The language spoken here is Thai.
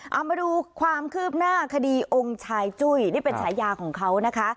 เอามาดูความคืบหน้าคดีองค์ชายจุ้ยนี่เป็นฉายาของเขานะคะ